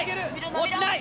落ちない！